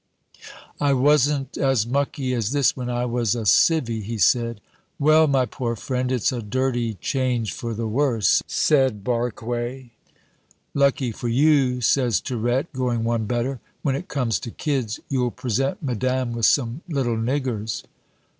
"I wasn't as mucky as this when I was a civvy," he said. "Well, my poor friend, it's a dirty change for the worse," said Barque. "Lucky for you," says Tirette, going one better; "when it comes to kids, you'll present madame with some little niggers!"